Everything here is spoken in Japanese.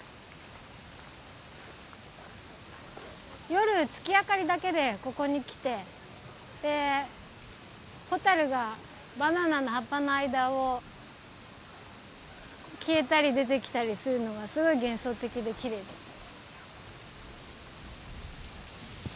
夜月明かりだけでここに来てでホタルがバナナの葉っぱの間を消えたり出てきたりするのがすごい幻想的できれいでした。